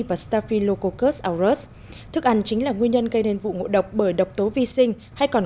và staphylococcus aureus thức ăn chính là nguyên nhân gây nên vụ ngộ độc bởi độc tố vi sinh hay còn